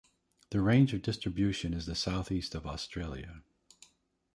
The range of distribution is the south east of Australia.